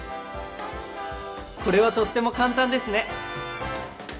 これはとっても簡単ですね！